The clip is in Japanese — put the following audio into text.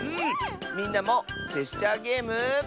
みんなもジェスチャーゲーム。